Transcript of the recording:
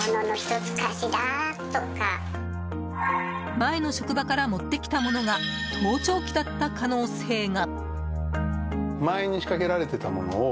前の職場から持ってきたものが盗聴器だった可能性が。